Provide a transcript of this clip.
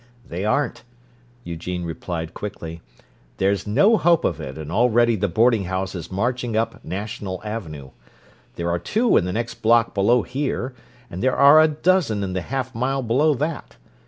"They aren't," Eugene replied quickly. "There's no hope of it, and already the boarding house is marching up National Avenue. There are two in the next block below here, and there are a dozen in the half mile below that.